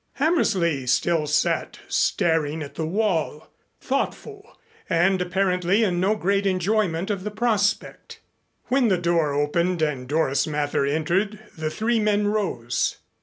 Hammersley still sat staring at the wall, thoughtful and apparently in no great enjoyment of the prospect. When the door opened and Doris Mather entered the three men rose.